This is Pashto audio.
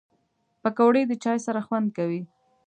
پکورې د چای سره خوند کوي